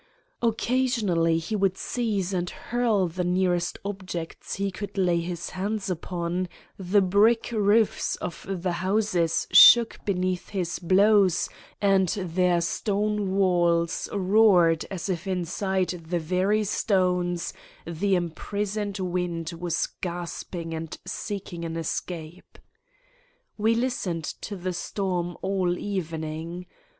Occasionally he would seize and hurl the nearest objects he could lay his hands upon : the brick roofs of the houses shook beneath his blows and their stone walls roared as if inside the very stones the imprisoned wind was gasping and seeking an escape. We listened to the storm all evening.